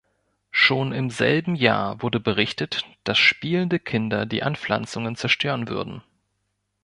Schon im selben Jahr wurde berichtet, dass spielende Kinder die Anpflanzungen zerstören würden.